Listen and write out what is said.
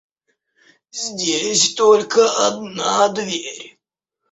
Здесь только одна дверь.